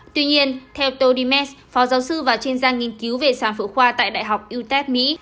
tuy nhiên theo tony metz phó giáo sư và chuyên gia nghiên cứu về sản phụ khoa tại đại học utep mỹ